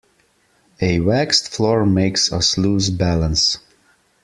A waxed floor makes us lose balance.